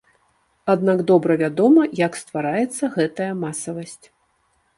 Аднак добра вядома як ствараецца гэтая масавасць.